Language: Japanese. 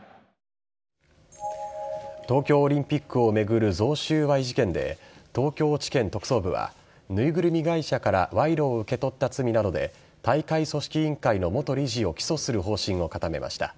東京オリンピックを巡る贈収賄事件で東京地検特捜部は縫いぐるみ会社から賄賂を受け取った罪などで大会組織委員会の元理事を起訴する方針を固めました。